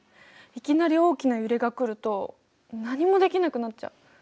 いきなり大きな揺れが来ると何もできなくなっちゃう。